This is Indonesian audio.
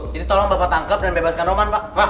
jadi tolong bapak tangkep dan bebaskan roman pak